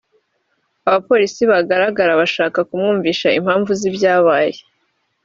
Abapolisi bagaragara bashaka kumwumvisha impamvu y’ibyabaye